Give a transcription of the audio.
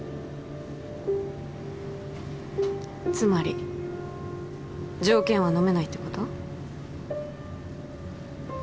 つまり条件はのめないってこと？